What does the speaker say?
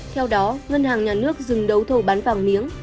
theo đó ngân hàng nhà nước dừng đấu thầu bán vàng miếng